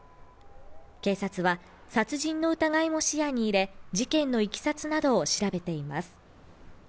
警察は殺人の疑いも視野に入れ、事件のいきさつなどを調べています。